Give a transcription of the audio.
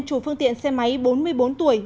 chủ phương tiện xe máy bốn mươi bốn tuổi